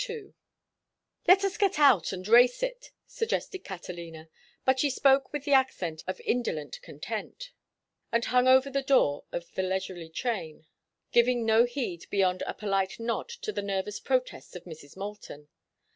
II "Let us get out and race it," suggested Catalina; but she spoke with the accent of indolent content, and hung over the door of the leisurely train, giving no heed beyond a polite nod to the nervous protests of Mrs. Moulton.